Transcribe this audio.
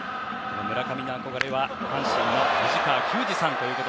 村上の憧れは阪神の藤川球児さん。